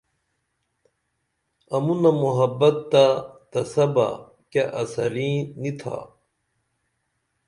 امونہ محبت تہ تسبہ کیہ اثریں نی تھا